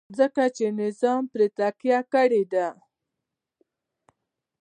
ځکه چې نظام پرې تکیه کړې ده.